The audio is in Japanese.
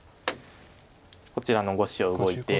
こちらの５子を動いて。